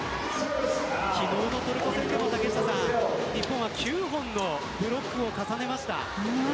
昨日のトルコ戦でも日本は９本のブロックを重ねました。